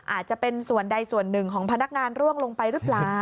อาจจะเป็นส่วนใดส่วนหนึ่งของพนักงานร่วงลงไปหรือเปล่า